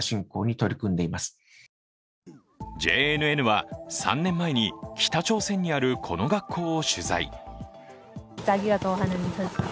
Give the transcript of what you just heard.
ＪＮＮは３年前に北朝鮮にあるこの学校を取材。